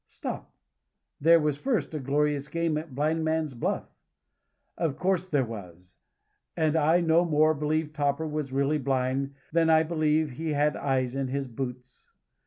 Stop! There was first a glorious game at blindman's buff. Of course there was. And I no more believe Topper was really blind than I believe he had eyes in his boots.